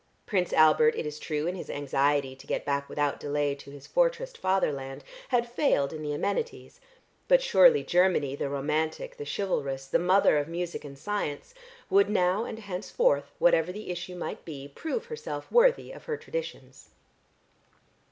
Prince Albert, it is true, in his anxiety to get back without delay to his fortressed fatherland had failed in the amenities, but surely Germany, the romantic, the chivalrous, the mother of music and science, would, now and henceforth, whatever the issue might be, prove herself worthy of her traditions.